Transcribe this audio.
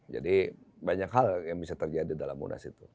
jadi banyak hal yang bisa terjadi dalam munas itu